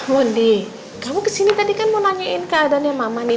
mondi kamu kesini tadi kan mau nanyain keadaannya mama nih